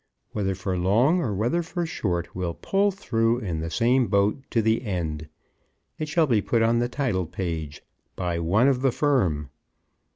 Whether for long or whether for short, we'll pull through in the same boat to the end. It shall be put on the title page 'By One of the Firm.'"